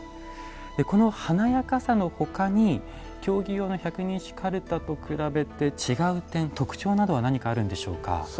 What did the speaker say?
この華やかさのほかに競技用の百人一首かるたと比べて違う点、特徴などは何かあるんでしょうか。